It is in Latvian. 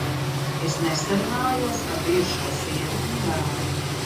Es nesarunājos ar bijušo sievu un dēlu!